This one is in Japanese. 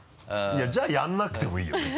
いやじゃあやらなくてもいいよ